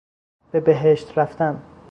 به بهشت رفتن